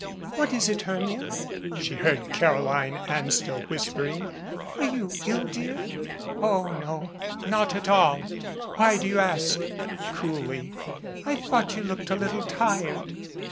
"What is it, Hermia," she heard Caroline Anstell whispering. "Are you ill, dear?" "Oh, no, not at all. Why do you ask?" coolly. "I thought you looked a little tired."